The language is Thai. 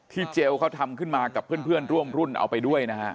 เจลเขาทำขึ้นมากับเพื่อนร่วมรุ่นเอาไปด้วยนะฮะ